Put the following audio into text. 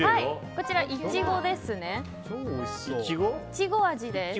こちら、いちご味です。